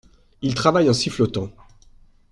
Il travaille en sifflotant…